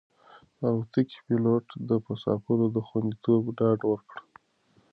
د الوتکې پېلوټ د مسافرانو د خوندیتوب ډاډ ورکړ.